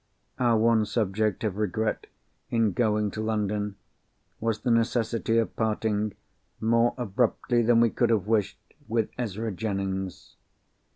Our one subject of regret, in going to London, was the necessity of parting, more abruptly than we could have wished, with Ezra Jennings.